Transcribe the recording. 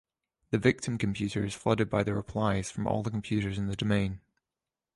The victim computer is flooded by the replies from all computers in the domain.